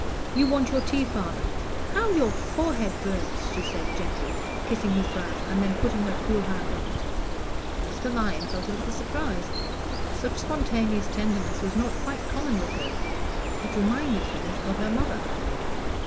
"You want your tea, father; how your forehead burns!" she said gently, kissing his brow, and then putting her cool hand on it. Mr. Lyon felt a little surprise; such spontaneous tenderness was not quite common with her; it reminded him of her mother.